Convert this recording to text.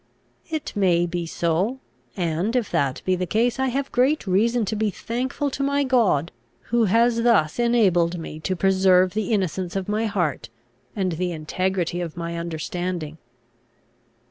"It may be so. And, if that be the case, I have great reason to be thankful to my God, who has thus enabled me to preserve the innocence of my heart, and the integrity of my understanding."